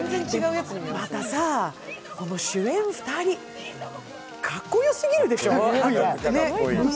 またさあ、主演２人、かっこよすぎるでしょう。